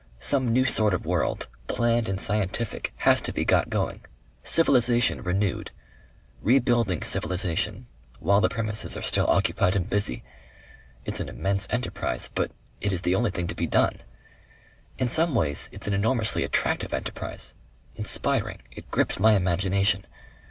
Some new sort of world, planned and scientific, has to be got going. Civilization renewed. Rebuilding civilization while the premises are still occupied and busy. It's an immense enterprise, but it is the only thing to be done. In some ways it's an enormously attractive enterprise. Inspiring. It grips my imagination.